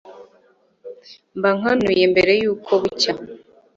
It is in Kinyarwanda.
Mba nkanuye mbere y’uko bucya